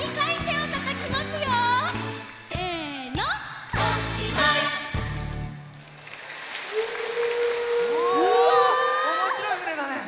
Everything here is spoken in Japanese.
おもしろいふねだね！